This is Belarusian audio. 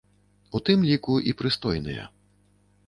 У тым ліку і прыстойныя.